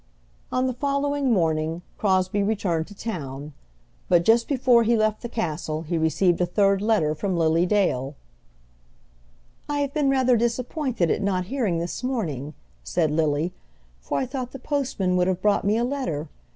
On the following morning Crosbie returned to town, but just before he left the castle he received a third letter from Lily Dale. "I have been rather disappointed at not hearing this morning," said Lily, "for I thought the postman would have brought me a letter.